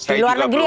di luar negeri